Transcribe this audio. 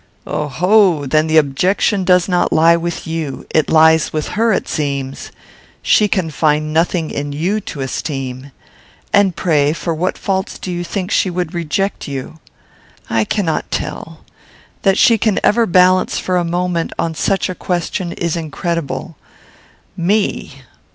"Oh ho! Then the objection does not lie with you. It lies with her, it seems. She can find nothing in you to esteem! And, pray, for what faults do you think she would reject you?" "I cannot tell. That she can ever balance for a moment, on such a question, is incredible. _Me!